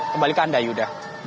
kembalikan anda yudha